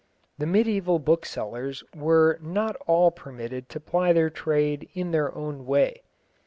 The mediæval booksellers were not all permitted to ply their trade in their own way.